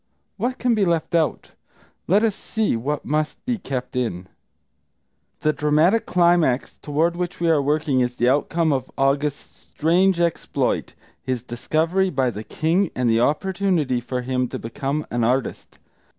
What can be left out? Let us see what must be kept in. The dramatic climax toward which we are working is the outcome of August's strange exploit, his discovery by the king and the opportunity for him to become an artist.